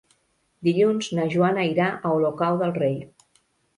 Dilluns na Joana irà a Olocau del Rei.